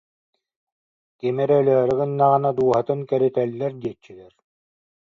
Ким эрэ өлөөрү гыннаҕына дууһатын кэритэллэр диэччилэр